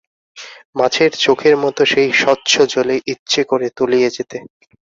মাছের চোখের মতো সেই স্বচ্ছ জলে ইচ্ছে করে তলিয়ে যেতে।